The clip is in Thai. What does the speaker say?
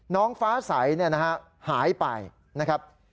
น้องฟ้าสายเนี่ยนะฮะหายไปนะครับ